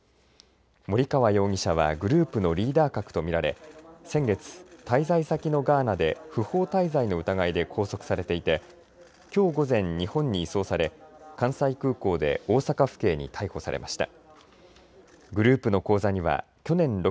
森川容疑者はグループのリーダー格と見られ先月滞在先のガーナで不法滞在の疑いで拘束されていてきょう午前、日本に移送され関西空港で大阪府警に逮捕されました。